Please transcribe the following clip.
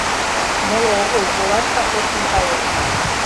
Моло огыл, олашкак лектын каен.